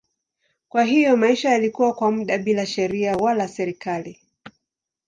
Kwa hiyo maisha yalikuwa kwa muda bila sheria wala serikali.